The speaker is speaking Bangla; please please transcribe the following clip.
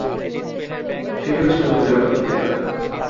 ফিরোজ কোনো জবাব দিল না।